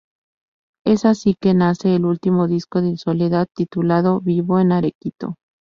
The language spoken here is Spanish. Es así que nace el último disco de Soledad titulado "Vivo en Arequito".